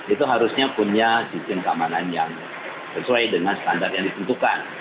itu harusnya punya sistem keamanan yang sesuai dengan standar yang ditentukan